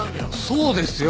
そうですよ。